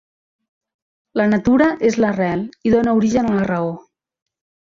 La natura és l'arrel i dóna origen a la raó.